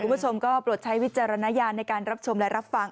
คุณผู้ชมก็โปรดใช้วิจารณญาณในการรับชมและรับฟัง